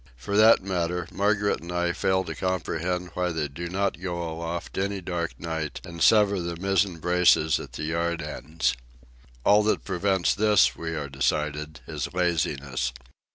For that matter, Margaret and I fail to comprehend why they do not go aloft any dark night and sever the mizzen braces at the yard ends. All that prevents this, we are decided, is laziness.